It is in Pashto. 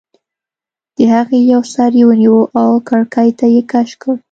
د هغې یو سر یې ونیو او کړکۍ ته یې کش کړ